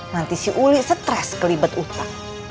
nanti si uli stres kelibet utang